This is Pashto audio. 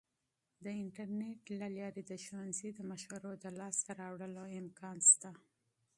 د انټرنیټ له لارې د ښوونځي د مشورو د لاسته راوړلو امکان شته.